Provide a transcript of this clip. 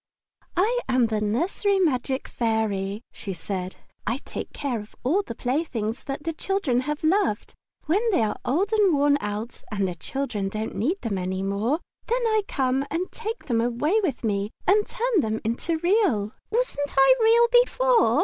"I am the nursery magic Fairy," she said. "I take care of all the playthings that the children have loved. When they are old and worn out and the children don't need them any more, then I come and take them away with me and turn them into Real." "Wasn't I Real before?"